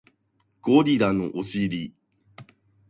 ゴリラのお尻